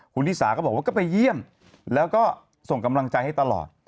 คุณนิสาก็บอกว่าก็ไปเยี่ยมแล้วก็ส่งกำลังใจให้ตลอด